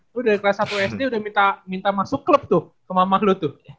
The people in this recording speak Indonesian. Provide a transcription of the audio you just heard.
lu dari kelas satu sd udah minta masuk klub tuh ke mamah lu tuh